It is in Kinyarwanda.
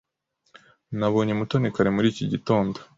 Nabonye Mutoni kare muri iki gitondo.